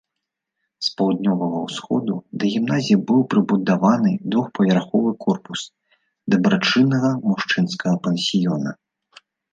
З паўднёвага ўсходу да гімназіі быў прыбудаваны двухпавярховы корпус дабрачыннага мужчынскага пансіёна.